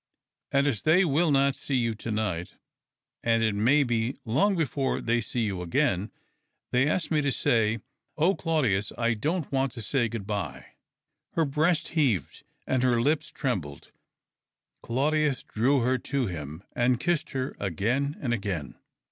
" And as they will not see you to night, and it may be long before they see you again, they asked me to say — Oh, Claudius, I don't want to say good bye !" Her breast heaved and her lips trembled. Claudius drew her to him and kissed her again and again.